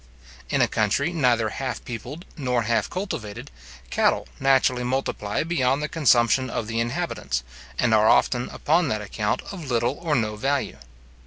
In a country neither half peopled nor half cultivated, cattle naturally multiply beyond the consumption of the inhabitants, and are often, upon that account, of little or no value.